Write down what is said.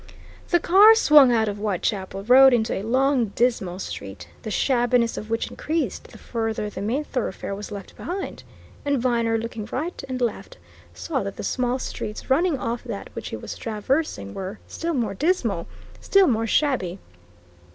The car swung out of Whitechapel Road into a long, dismal street, the shabbiness of which increased the further the main thoroughfare was left behind; and Viner, looking right and left, saw that the small streets running off that which he was traversing were still more dismal, still more shabby.